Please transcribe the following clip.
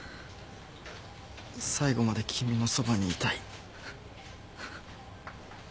最後まで君のそばにいたい。